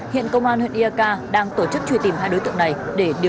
hiện công an huyện ia ca đang tổ chức truy tìm hai đối tượng này để điều tra làm rõ vụ việc